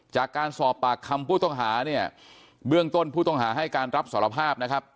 จากการสอบปากคำผู้ต้องหาเนี่ยเบื้องต้นผู้ต้องหาให้การรับสารภาพนะครับ